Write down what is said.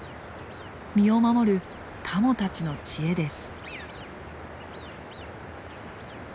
身を守るカモたちの知恵です。